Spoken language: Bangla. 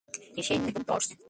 এগুলা কি সেই নতুন টর্চ?